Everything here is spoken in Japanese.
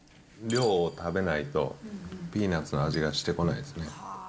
量を食べないと、ピーナッツの味がしてこないですね。